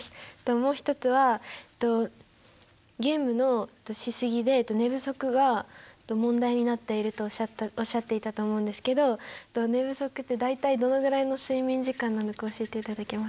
もう一つはゲームのしすぎで寝不足が問題になっているとおっしゃっていたと思うんですけど寝不足って大体どのぐらいの睡眠時間なのか教えていただけますか？